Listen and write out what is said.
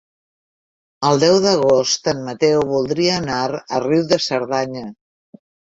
El deu d'agost en Mateu voldria anar a Riu de Cerdanya.